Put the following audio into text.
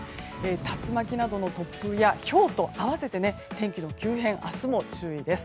竜巻などの突風やひょうと合わせて天気の急変、明日も注意です。